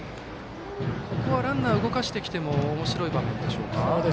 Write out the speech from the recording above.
ここはランナー動かしてきてもおもしろい場面でしょうか。